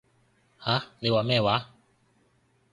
吓？你話咩話？